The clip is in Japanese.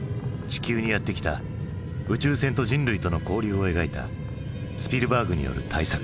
地球にやって来た宇宙船と人類との交流を描いたスピルバーグによる大作。